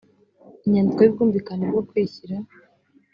inyandiko y ubwumvikane bwo kwishyira